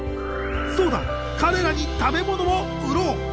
そうだ彼らに食べ物を売ろう！